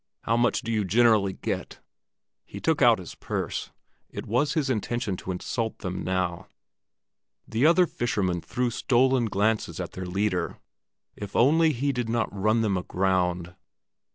How much do you generally get?" He took out his purse; it was his intention to insult them now. The other fishermen threw stolen glances at their leader. If only he did not run them aground!